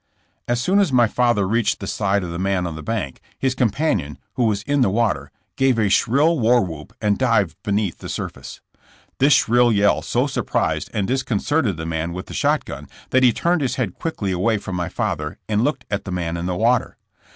As soon as my father reached the side of the man on the bank, his companion, who was in the water, gave a shrill war whoop and dived beneath the surface. This shrill yell so surprised and dis concerted the man with the shot gun that he turned his head quickly away from my father, and looked at the man in the water.